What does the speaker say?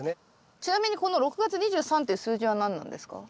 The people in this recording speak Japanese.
ちなみにこの６月２３っていう数字は何なんですか？